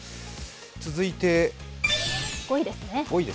続いて５位ですね。